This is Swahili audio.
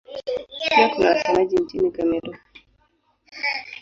Pia kuna wasemaji nchini Kamerun.